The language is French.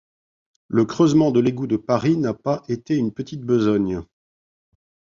Le creusement de l’égout de Paris n’a pas été une petite besogne.